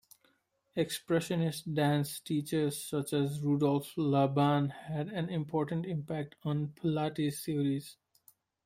Expressionist dance teachers such as Rudolf Laban had an important impact on Pilates' theories.